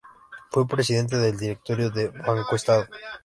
Fue presidente del directorio de BancoEstado.